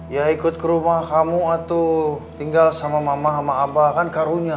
ya ikut ke rumah kamu atau tinggal sama mama sama abah kan karunya